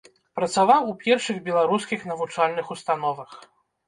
Працаваў у першых беларускіх навучальных установах.